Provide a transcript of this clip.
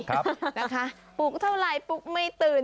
ครับนะคะปลุกเท่าไหร่ปลุกไม่ตื่น